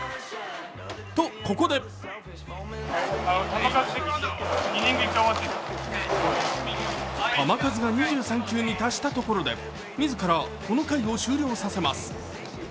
と、ここで球数が２３球に達したところで自らイニングを終了させます。